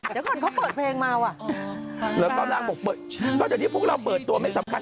เดี๋ยวก่อนเขาเปิดเพลงมาว่ะเดี๋ยวก่อนพวกเราเปิดตัวไม่สำคัญ